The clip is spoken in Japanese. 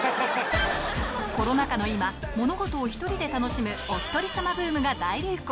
コロナ禍の今、物事を１人で楽しむおひとり様ブームが大流行。